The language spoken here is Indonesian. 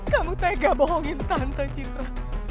kamu tega bohongin tante cintra